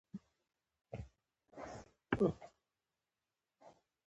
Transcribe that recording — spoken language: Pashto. په پښتو کې قلم ته ليکنی وايي.